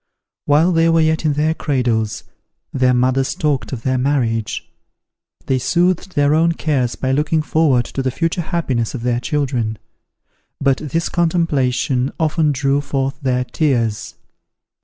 While they were yet in their cradles, their mothers talked of their marriage. They soothed their own cares by looking forward to the future happiness of their children; but this contemplation often drew forth their tears.